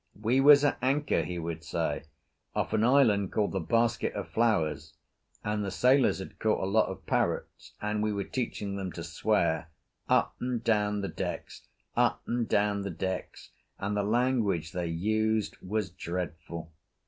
"We was at anchor," he would say, "off an island called the Basket of Flowers, and the sailors had caught a lot of parrots and we were teaching them to swear. Up and down the decks, up and down the decks, and the language they used was dreadful.